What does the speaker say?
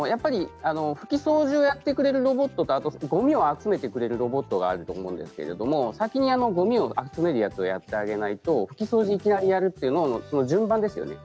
拭き掃除をやってくれるロボットごみを集めてくれるロボットがあると思うんですけど先にごみを集めるやつをやってあげないと拭き掃除をいきなりやるとその順番ですよね。